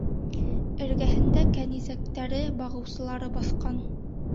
Эргәһендә кәнизәктәре, бағыусылары баҫҡан.